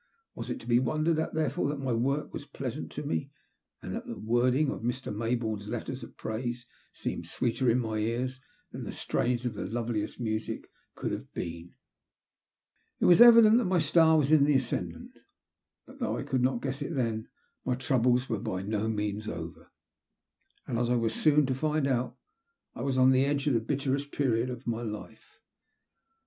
Was it to be wondered at therefore that my work was pleasant to me and that the wording of Mr. May bourne's letters of praise seemed sweeter in my ears than the strains of the loveliest music could have been. It was evident that my star was in the as cendant, but, though I could not guess it then, my troubles were by no means over ; and, as I was soon to find out, I was on the edge of the bitterest period of all my life.